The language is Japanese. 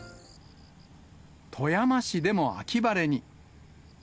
富山市でも秋晴れに。